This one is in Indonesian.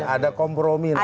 ada kompromi namanya